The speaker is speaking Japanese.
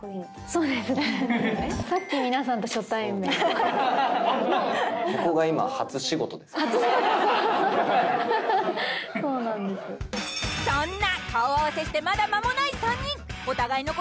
［そんな顔合わせしてまだ間もない３人］